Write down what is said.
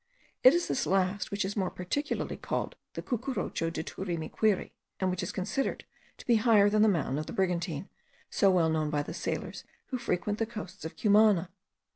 It is this last which is more particularly called the Cucurucho de Turimiquiri, and which is considered to be higher than the mountain of the Brigantine, so well known by the sailors who frequent the coasts of Cumana.